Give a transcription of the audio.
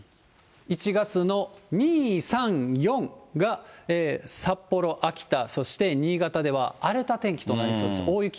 １月の２、３、４が札幌、秋田、そして新潟では荒れた天気となりそうです。